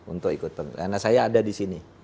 untuk ikut karena saya ada di sini